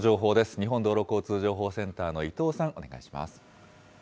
日本道路交通情報センターの伊藤さん、お願いします。